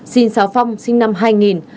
sinh sáo phong sinh năm hai nghìn